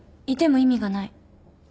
いても意味がない。